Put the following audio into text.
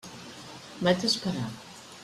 Vaig esperar.